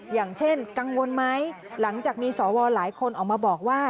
อย่างเช่นกังวลไหมหลังจากมีสวหลายคนออกมาบอกว่า